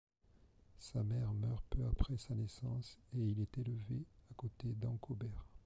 Sa mère meurt peu après sa naissance, et il est élevé à côté d'Ankober.